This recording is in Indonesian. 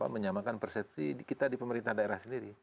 menyamakan persepsi kita di pemerintah daerah sendiri